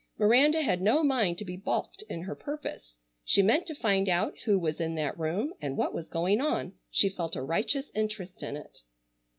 Miranda had no mind to be balked in her purpose. She meant to find out who was in that room and what was going on. She felt a righteous interest in it.